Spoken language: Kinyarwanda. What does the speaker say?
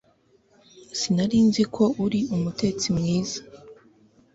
sinari nzi ko uri umutetsi mwiza